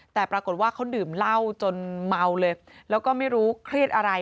แต่ปรากฏว่าเขาดื่มเหล้าจนเมาเลยแล้วก็ไม่รู้เครียดอะไร